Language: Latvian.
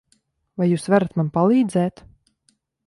Vai jūs varat man palīdzēt?